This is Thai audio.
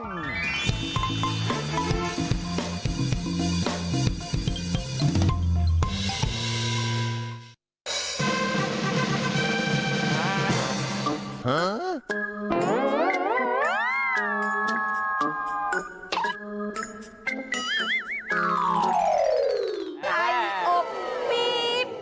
ไก่อบปี๊บ